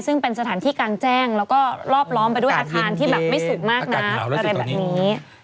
ซึ่งเป็นสถานที่กลางแจ้งแล้วก็รอบล้อมไปด้วยอาคารที่แบบไม่สูงมากนักอะไรแบบนี้